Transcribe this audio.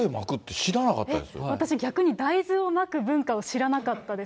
僕、私、逆に大豆をまく文化を知らなかったです。